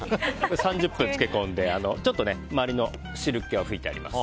３０分漬け込んで周りの汁っ気を拭いてあります。